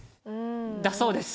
だそうです。